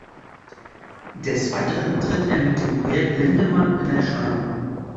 Des Weiteren tritt er mit dem Projekt Lindemann in Erscheinung.